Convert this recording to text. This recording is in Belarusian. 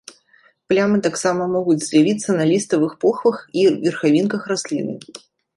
Плямы таксама могуць з'явіцца на ліставых похвах і верхавінках расліны.